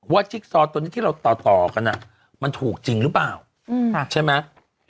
จิ๊กซอตัวนี้ที่เราต่อกันมันถูกจริงหรือเปล่าใช่ไหม